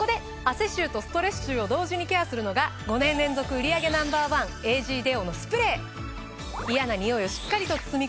汗臭とストレス臭を同時にケアするのが５年連続売り上げＮｏ．１エージーデオのスプレー！